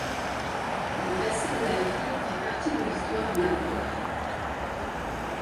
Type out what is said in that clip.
Le passé de la ville fait partie de l'histoire de la Hongrie.